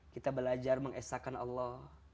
kita belajar mengesahkan allah